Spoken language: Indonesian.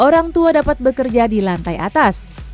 orang tua dapat bekerja di lantai atas